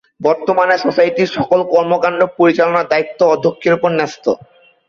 বর্তমানে সোসাইটির সকল কর্মকান্ড পরিচালনার দায়িত্ব অধ্যক্ষের উপর ন্যস্ত।